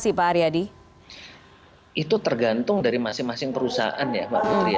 itu tergantung dari masing masing perusahaan ya mbak putri